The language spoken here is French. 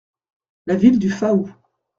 La ville du Faou.